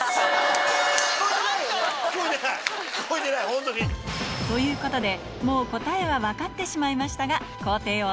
ピンポンということでもう答えは分かってしまいましたがこれは。